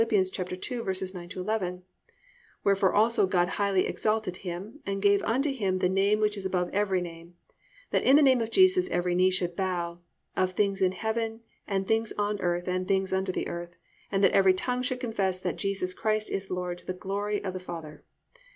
2:9 11: +"Wherefore also God highly exalted Him, and gave unto Him the name which is above every name; that in the name of Jesus every knee should bow, of things in heaven and things on earth and things under the earth, and that every tongue should confess that Jesus Christ is Lord, to the glory of God the Father."